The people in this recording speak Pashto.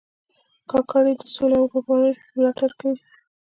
کاکړي د سولې او ورورولۍ ملاتړ کوي.